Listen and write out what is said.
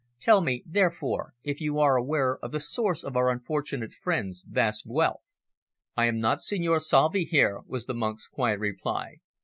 Tell me, therefore, if you are aware of the source of our unfortunate friend's vast wealth?" "I am not Signor Salvi here," was the monk's quiet reply.